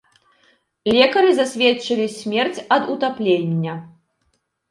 Лекары засведчылі смерць ад утаплення.